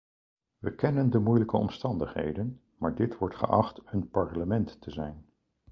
We kennen de moeilijke omstandigheden, maar dit wordt geacht een parlement te zijn.